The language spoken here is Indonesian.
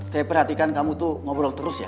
saya perhatikan kamu tuh ngobrol sama siapa